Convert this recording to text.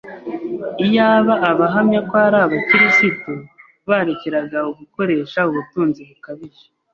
Iyaba abahamya ko ari Abakristo barekeragaho gukoresha ubutunzi bukabije